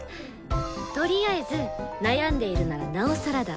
とりあえず悩んでいるならなおさらだ。